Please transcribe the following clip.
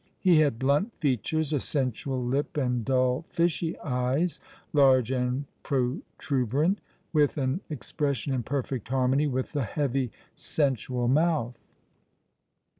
He had blunt features, a sensual lip, and dull, fishy eyes, large and protuberant, with an expression in perfect harmony with the heavy, sensual mouth.